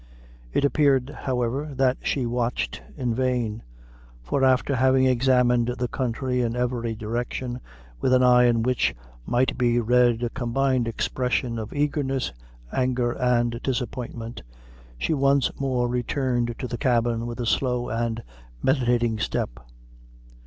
It appeared, however, that she watched in vain; for after having examined the country in every direction with an eye in which might be read a combined expression of eagerness, anger and disappointment, she once more returned to the cabin with a slow and meditating step.